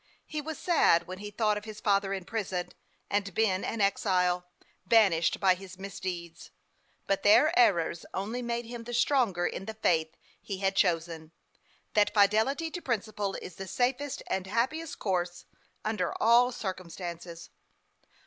He was sad when he thought of his father in prison, and Ben an exile, banished by his misdeeds ; but their errors only made him the stronger in the faith he had chosen, that fidelity to principle is the safest and happiest course, under all circumstances.